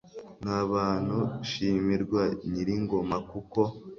n'abantu, shimirwa nyir'ingoma kuko